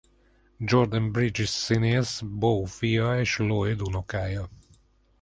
Jordan Bridges színész Beau fia és Lloyd unokája.